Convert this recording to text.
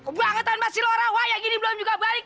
kau bangetan mas silora wah yang ini belum juga balik